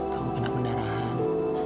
kamu kena penerahan